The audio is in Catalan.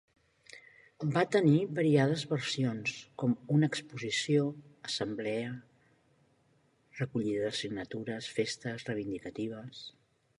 Va tenir variades versions com una exposició, assemblea, recollida de signatures, festes reivindicatives.